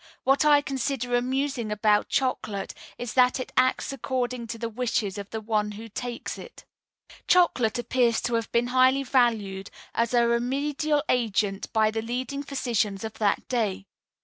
What I consider amusing about chocolate is that it acts according to the wishes of the one who takes it." Chocolate appears to have been highly valued as a remedial agent by the leading physicians of that day.